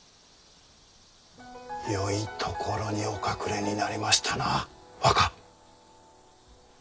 よい所にお隠れになりましたな若。